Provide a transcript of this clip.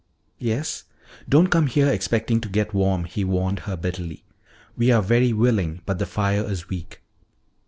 "Yes? Don't come here expecting to get warm," he warned her bitterly. "We are very willing but the fire is weak.